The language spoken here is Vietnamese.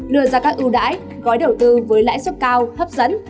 đưa ra các ưu đãi gói đầu tư với lãi suất cao hấp dẫn